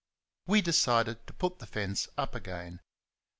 We decided to put the fence up again.